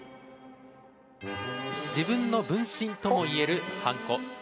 自分の分身ともいえる、ハンコ。